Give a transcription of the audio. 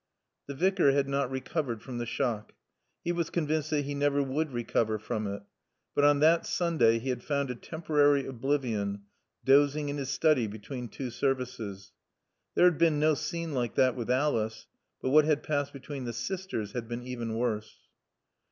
The Vicar had not recovered from the shock. He was convinced that he never would recover from it. But on that Sunday he had found a temporary oblivion, dozing in his study between two services. There had been no scene like that with Alice. But what had passed between the sisters had been even worse.